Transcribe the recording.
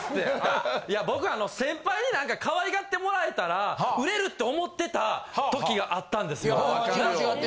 僕、先輩になんかかわいがってもらえたら、売れるって思ってた時があったんですよ。